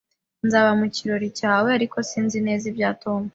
Nzaba mu kirori cyawe, ariko sinzi neza ibya Tom